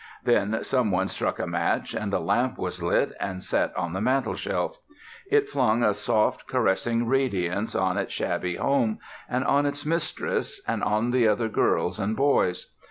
Then some one struck a match, and a lamp was lit and set on the mantelshelf. It flung a soft, caressing radiance on its shabby home, and on its mistress, and on the other girls and boys.